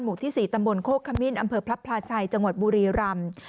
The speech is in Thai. ที่๔ตำบลโคกขมิ้นอำเภอพระพลาชัยจังหวัดบุรีรำ